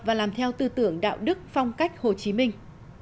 và làm theo tư tưởng đạo đức phong cách hồ chí minh